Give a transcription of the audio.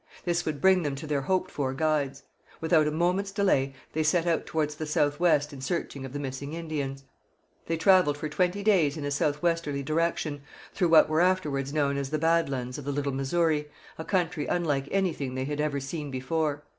This would bring them to their hoped for guides. Without a moment's delay they set out towards the south west in search of the missing Indians. They travelled for twenty days in a south westerly direction, through what were afterwards known as the Bad Lands of the Little Missouri, a country unlike anything they had ever seen before.